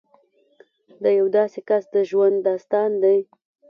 د یو داسې کس د ژوند داستان دی